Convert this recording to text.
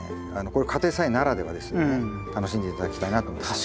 これ家庭菜園ならではですよね楽しんで頂きたいなと思います。